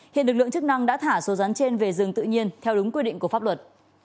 hiện lực lượng chức năng đã thả số rắn trên về rừng tự nhiên theo đúng quy định của pháp luật